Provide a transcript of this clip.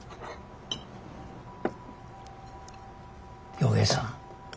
陽平さん。